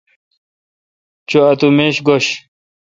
چو اتو میش گوش۔